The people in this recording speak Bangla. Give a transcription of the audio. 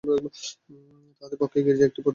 তাহাদের পক্ষে এই গির্জা একটি প্রতীকমাত্র।